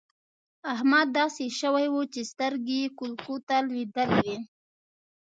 احمد داسې شوی وو چې سترګې يې کولکو ته لوېدلې وې.